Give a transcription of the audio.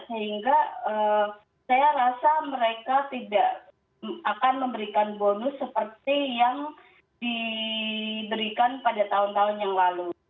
sehingga saya rasa mereka tidak akan memberikan bonus seperti yang diberikan pada tahun tahun yang lalu